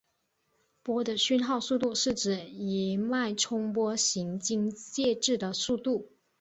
波的讯号速度是指一脉冲波行经介质的速度。